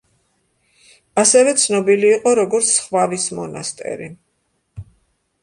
ასევე ცნობილი იყო, როგორც „სხვავის მონასტერი“.